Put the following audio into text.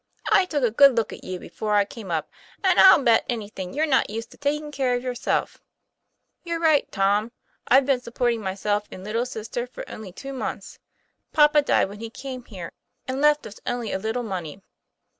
I took a good look at you before I came up, and I'll bet anything you're not used to taking care of yourself." 'You're right, Tom: I've been supporting myself and little sister for only two months. Papa died when he came here, and left us only a little money."